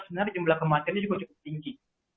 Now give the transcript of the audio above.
sebenarnya jumlah kematiannya juga cukup tinggi